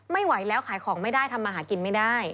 ไม่ไหวแล้วขายของไม่ได้ทำมาหากินไม่ได้